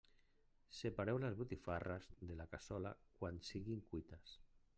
Separeu les botifarres de la cassola, quan siguin cuites.